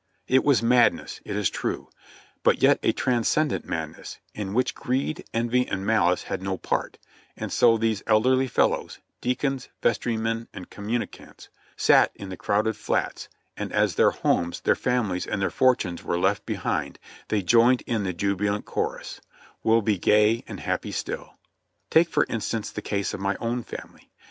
It was madness, it is true, but yet a transcendent madness, in which greed, envy and malice had no part, and so these elderly fellows, — deacons, vestrymen and communicants, — sat in the crowded flats, and as their homes, their families, and their fortunes were left behind, they joined in the jubilant chorus, "We'll be gay and happy still." Take for instance the case of my own family.